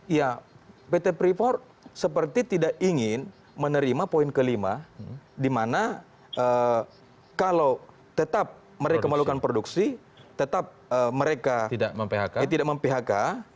ya pt freeport seperti tidak ingin menerima poin kelima di mana kalau tetap mereka melakukan produksi tetap mereka tidak mem phk